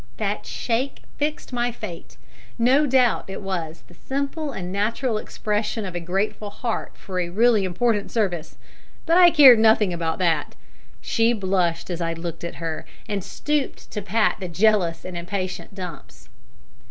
That shake fixed my fate. No doubt it was the simple and natural expression of a grateful heart for a really important service; but I cared nothing about that. She blushed as I looked at her, and stooped to pat the jealous and impatient Dumps.